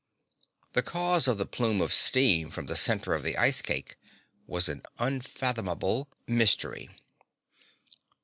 The cause of the plume of steam from the center of the ice cake was an unfathomable mystery.